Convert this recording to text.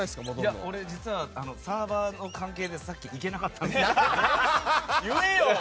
いや俺、実はサーバーの関係でさっき行けなかったんですよ。